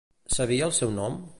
Sabia el seu nom?